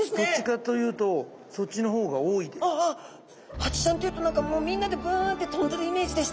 ハチちゃんというと何かもうみんなでブンって飛んでるイメージでした。